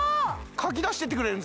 かき出してってくれるんですね